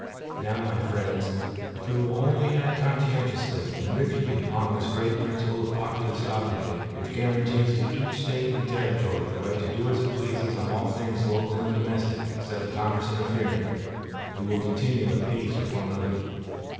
Now, my friends, if we will only act conscientiously and rigidly upon this great principle of popular sovereignty, which guarantees to each State and Territory the right to do as it pleases on all things local and domestic instead of Congress interfering, we will continue at peace one with another.